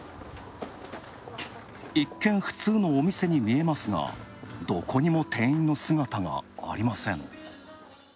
一見、普通のお店に見えますが、どこにも店員の姿がありません。